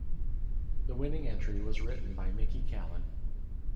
The winning entry was written by Micki Callen.